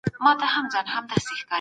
پلان جوړونه اقتصاد ته منظم لوری ورکوي.